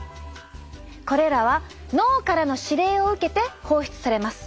これらは脳からの指令を受けて放出されます。